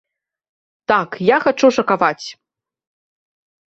Так, я хачу шакаваць!